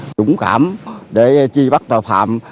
dũng cảm để chi bắt tàu phạm